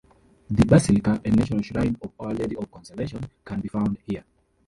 The Basilica and National Shrine of Our Lady of Consolation can be found here.